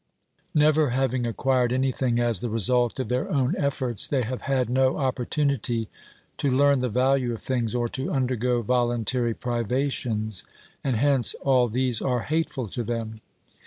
Never having acquired anything as the result of their own efforts, they have had no oppor tunity to learn the value of things or to undergo voluntary privations, and hence all these are hateful to them.